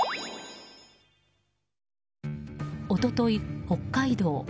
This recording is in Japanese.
一昨日、北海道。